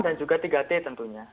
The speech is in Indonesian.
dan juga tiga t tentunya